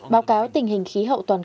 báo cáo tình hình khí hậu toàn cầu